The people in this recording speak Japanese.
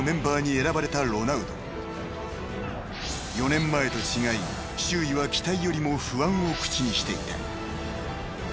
［４年前と違い周囲は期待よりも不安を口にしていた］